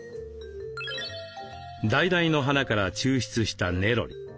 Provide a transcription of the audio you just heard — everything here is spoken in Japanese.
ダイダイの花から抽出したネロリ。